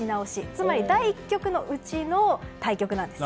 つまり第１局のうちの対局なんです。